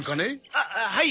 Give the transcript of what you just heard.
あっはい。